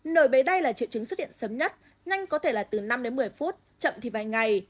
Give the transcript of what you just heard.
nồi bề đay là triệu chứng xuất hiện sớm nhất nhanh có thể là từ năm đến một mươi phút chậm thì vài ngày